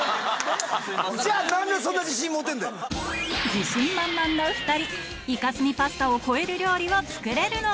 自信満々の２人イカスミパスタを超える料理を作れるのか？